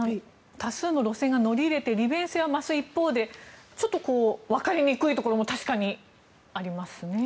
多数の路線が乗り入れて利便性は増す一方でわかりにくいところも確かにありますね。